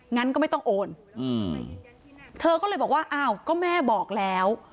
งั้นก็ไม่ต้องโอนเธอก็เลยบอกว่าอ้าวก็แม่บอกแล้ว